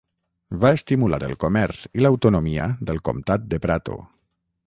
Va estimular el comerç i l'autonomia del comtat de Prato.